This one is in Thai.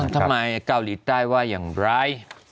ทำไมเกาหลีใต้ว่าอย่างไร